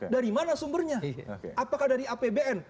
dari mana sumbernya apakah dari apbn